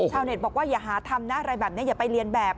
เน็ตบอกว่าอย่าหาทำนะอะไรแบบนี้อย่าไปเรียนแบบ